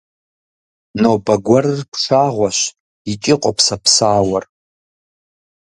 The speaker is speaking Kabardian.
Нобэ гуэрыр пшагъуэщ икӏи къопсэпсауэр.